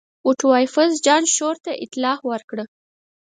اوټوایفز جان شور ته اطلاع ورکړه.